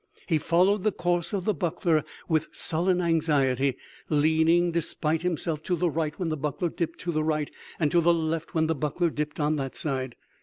He followed the course of the buckler with sullen anxiety, leaning, despite himself, to the right when the buckler dipped to the right, and to the left when the buckler dipped on that side.